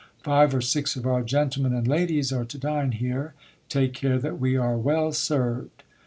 Five or six of our gentlemen and ladies are to dine here, take care that we are well served.